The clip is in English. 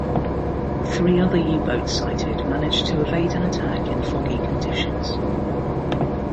Three other U-boats sighted managed to evade an attack in foggy conditions.